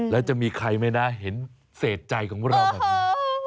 แล้วจะมีใครไหมนะเห็นเศษใจของเราแบบนี้